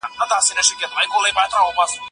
سم معلومات د سمې پرېکړې لامل کیږي.